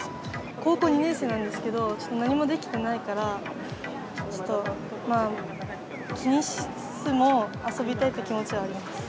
高校２年生なんですけど、ちょっと何もできてないから、ちょっと、まあ、気にしつつも遊びたいっていう気持ちはあります。